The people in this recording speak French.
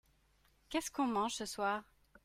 Qu'est-ce qu'on mange ce soir ?